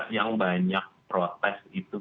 yang banyak protes itu